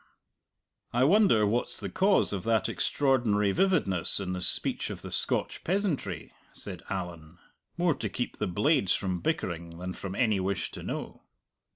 "I wonder what's the cause of that extraordinary vividness in the speech of the Scotch peasantry?" said Allan more to keep the blades from bickering than from any wish to know.